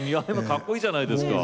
かっこいいじゃないですか！